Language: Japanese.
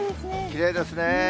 きれいですね。